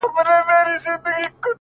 o د شپې نيمي كي؛